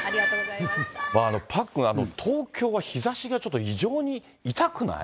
パックン、東京は日ざしがちょっと、異常に痛くない？